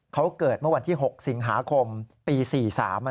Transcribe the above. เขาเกิดเมื่อวันที่๖สิงหาคมปี๔๓